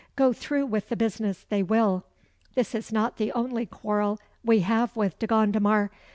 Go through with the business they will. This is not the only quarrel we have with De Gondomar.